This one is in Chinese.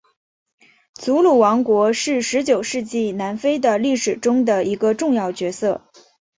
祖鲁王国是十九世纪南非的历史中的一个重要角色。